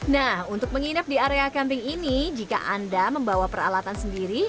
nah untuk menginap di area kambing ini jika anda membawa peralatan sendiri